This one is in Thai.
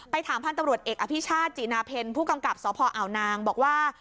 ถามพันธุ์ตำรวจเอกอภิชาติจีนาเพ็ญผู้กำกับสพอ่าวนางบอกว่า